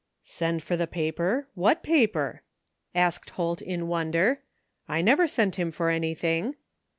" Send for the paper, what paper? " asked Holt in wonder. " I never sent him for anything."